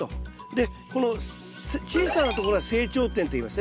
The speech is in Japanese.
でこの小さなところは成長点といいますね。